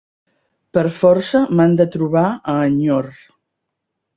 Per força m'han de trobar a enyor.